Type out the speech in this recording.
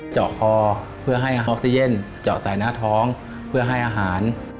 เจาะคอเพื่อให้ออกซิเจนเจาะใส่หน้าท้องเพื่อให้อาหาร